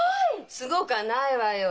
すごかないわよ。